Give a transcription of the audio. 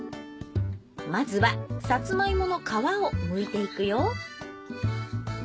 まずはさつまいもの皮をむいていくよ。